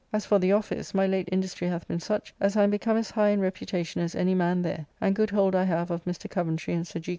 As for the office, my late industry hath been such, as I am become as high in reputation as any man there, and good hold I have of Mr. Coventry and Sir G.